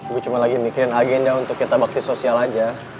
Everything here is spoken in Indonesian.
gue cuma lagi mikirin agenda untuk kita bakti sosial aja